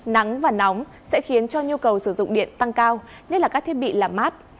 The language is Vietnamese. nắng và nóng sẽ khiến cho nhu cầu sử dụng điện tăng cao nhất là các thiết bị làm mát